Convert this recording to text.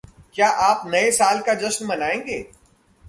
क्या आप नए साल का जश्न मनाएंगे?